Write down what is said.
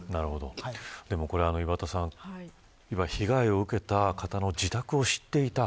岩田さん、被害を受けた方の自宅を知っていた。